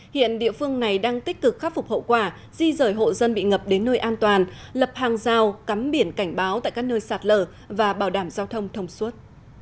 hiện địa phương này đang tích cực khắc phục hậu quả di rời hộ dân bị ngập đến nơi an toàn lập hàng giao cắm biển cảnh báo tại các nơi sạt lở và bảo đảm giao thông thông suốt